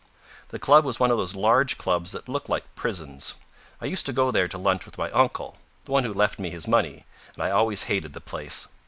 The club was one of those large clubs that look like prisons. I used to go there to lunch with my uncle, the one who left me his money, and I always hated the place.